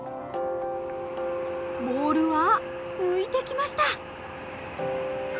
ボールは浮いてきました。